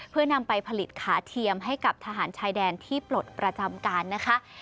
เพื่อนำไปผลิตขาเทียมให้กับทหารชายแดนที่ปลดประจำการนะคะ